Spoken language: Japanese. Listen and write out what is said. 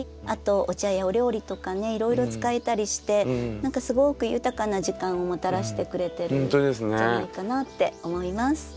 あとお茶やお料理とかねいろいろ使えたりして何かすごく豊かな時間をもたらしてくれてるんじゃないかなって思います。